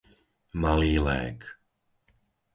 Malý Lég